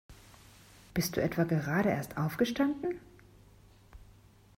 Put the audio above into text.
Bist du etwa gerade erst aufgestanden?